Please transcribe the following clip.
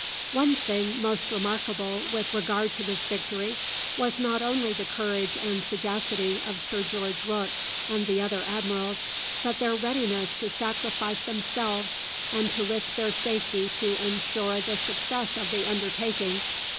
One thing most remarkable with regard to this victory, was not only the courage and sagacity of Sir George Rooke and the other admirals, but their readiness to sacrifice themselves and to risk their safety to ensure the success of the undertaking.